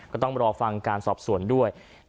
ก็ต้องรอฟังการสอบสวนด้วย